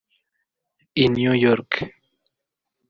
i New York